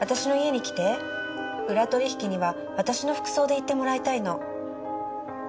裏取引には私の服装で行ってもらいたいの。